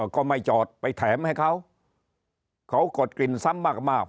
ก็ไม่จอดไปแถมให้เขาเขากดกลิ่นซ้ำมาก